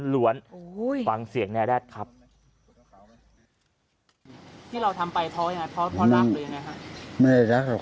ชาวบ้านญาติโปรดแค้นไปดูภาพบรรยากาศขณะ